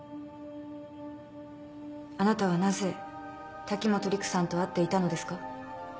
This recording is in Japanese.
あなたはなぜ滝本陸さんと会っていたのですか。